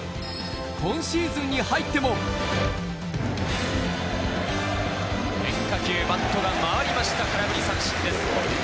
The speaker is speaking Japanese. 今シーズンに入っても変化球バットが回りました空振り三振です。